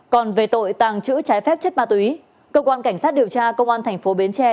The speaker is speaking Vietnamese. còn về tội tàng trữ trái phép chất ma túy cơ quan cảnh sát điều tra công an thành phố bến tre